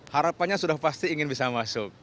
harapannya sudah pasti ingin bisa masuk